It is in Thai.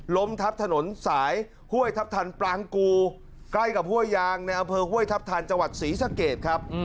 ล้มทับถนนสายห้วยทัพทันปรางกูใกล้กับห้วยยางในอำเภอห้วยทัพทันจังหวัดศรีสะเกดครับ